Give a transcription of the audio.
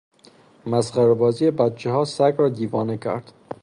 مسخرهبازی بچهها سگ را دیوانه کرد.